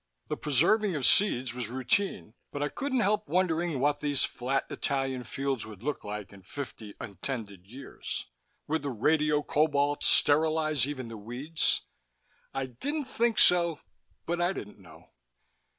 The preserving of seeds was routine, but I couldn't help wondering what these flat Italian fields would look like in fifty untended years. Would the radiocobalt sterilize even the weeds? I didn't think so, but I didn't know.